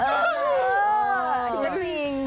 เออจริง